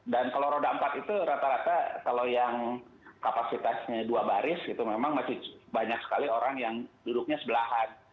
dan kalau roda empat itu rata rata kalau yang kapasitasnya dua baris itu memang masih banyak sekali orang yang duduknya sebelahan